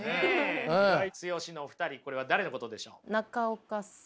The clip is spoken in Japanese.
ツヨシっ！のお二人これは誰のことでしょう？